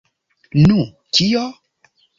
Nu... kio?